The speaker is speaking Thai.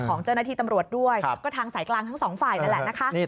ของเจ้าหน้าที่ตำรวจด้วยก็ทางสายกลางทั้งสองฝ่ายนั่นแหละนะคะ